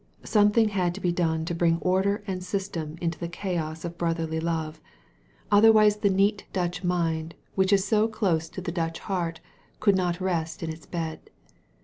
Some thing had to be done to bring order and system into the chaos of brotherly love. Otherwise the neat 24 A CITY OF REFUGE Dutch mind which is so close to the Dutch heart could not rest in its bed.